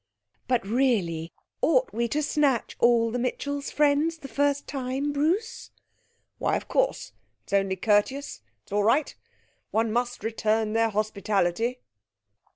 'But really! Ought we to snatch all the Mitchells' friends the first time, Bruce?' 'Why, of course, it's only courteous. It's all right. One must return their hospitality.'